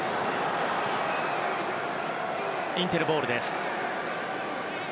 インテルボールです。